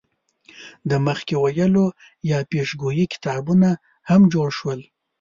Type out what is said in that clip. د مخکې ویلو یا پیشګویۍ کتابونه هم جوړ شول.